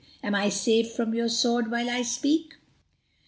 Am I safe from your sword while I speak?"